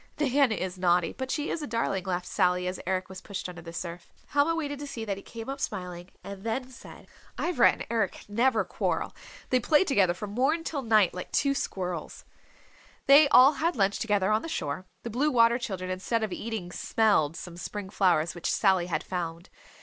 "Nan is naughty, but she is a darling," laughed Sally as Eric was pushed under the surf. Helma waited to see that he came up smiling and then said, "Ivra and Eric never quarrel. They play together from morn till night like two squirrels." ... They all had lunch together on the shore. The Blue Water Children instead of eating smelled some spring flowers which Sally had found.